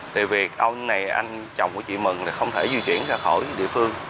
tại việc ông này anh chồng của chị mừng không thể di chuyển ra khỏi địa phương